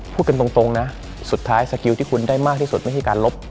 พูดกันตรงนะสุดท้ายสกิลที่คุณได้มากที่สุดไม่ใช่การลบ